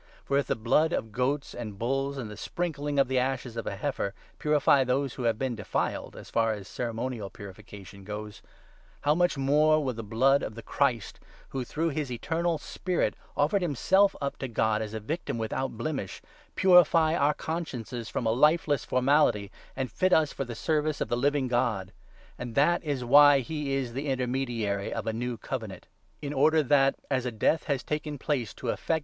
For, if the 13 blood of goats and bulls, and the sprinkling of the ashes of a heifer, purify those who have been defiled (as far as cere monial purification goes), how much more will the blood of the 14 Christ, who, through his eternal Spirit, offered himself up to God as a victim without blemish, purify our consciences from a lifeless formality, and fit us for the service of the Living God I And that is why he is the intermediary of a new 15 Covenant ; In order that, as a death has taken place to effect a HEBREWS, 9 1O.